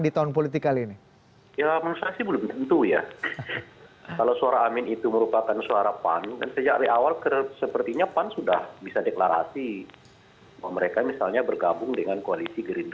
di tahun politik kali ini